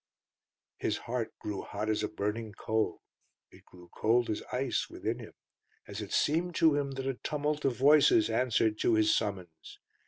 His heart grew hot as a burning coal, it grew cold as ice within him, as it seemed to him that a tumult of voices answered to his summons.